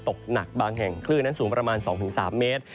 ตกหนักบางแห่งคลื่นนั้นสูงประมาณ๒๓เมตร